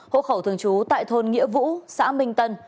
hộ khẩu thường trú tại thôn nghĩa vũ xã minh tân